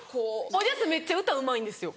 おじゃすめっちゃ歌うまいんですよ